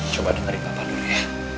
coba dengerin papa dulu ya